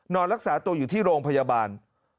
นอนรักษาตัวอยู่ที่โรงพยาบาล